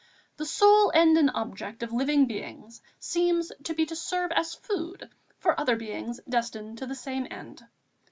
The sole end and object of living beings seems to be to serve as food for other beings destined to the same end.